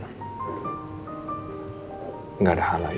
enggak ada hal lain